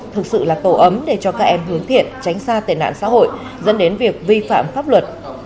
thực sự là tổ ấm để cho các em hướng thiện tránh xa tệ nạn xã hội dẫn đến việc vi phạm pháp luật